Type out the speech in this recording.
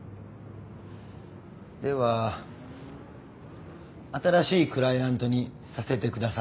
では新しいクライアントにさせてください。